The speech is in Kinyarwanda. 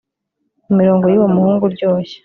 mumirongo yuwo muhungu uryoshye